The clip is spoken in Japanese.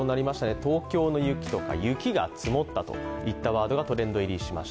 「東京の雪」とか「雪が積もった」という言葉がトレンド入りしました。